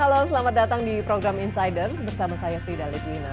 halo selamat datang di program insiders bersama saya frida litwina